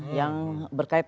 apapun yang berkaitan dengan itu